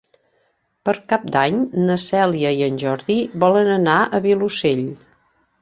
Per Cap d'Any na Cèlia i en Jordi volen anar al Vilosell.